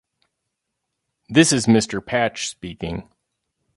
This is Mr. Patch speaking.